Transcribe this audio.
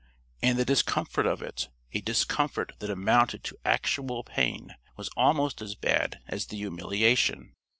And the discomfort of it a discomfort that amounted to actual pain was almost as bad as the humiliation.